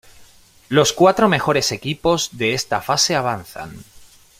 Los cuatro mejores equipos de esta fase avanzan.